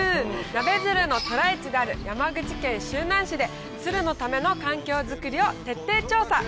ナベヅルの渡来地である山口県周南市でツルのための環境づくりを徹底調査。